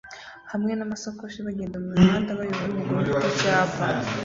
hamwe n'amasakoshi bagenda mu mihanda bayobowe n'umugore ufite icyapa